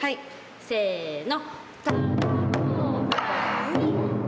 せの